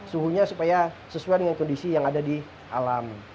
suhunya supaya sesuai dengan kondisi yang ada di alam